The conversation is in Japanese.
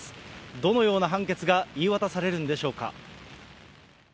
どのような判決が言い渡されるんでしょうか。